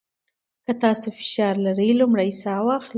که تاسو فشار لرئ، لومړی ساه واخلئ.